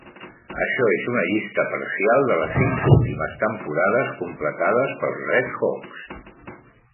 Això és una llista parcial de les cinc últimes temporades completades pels Redhawks.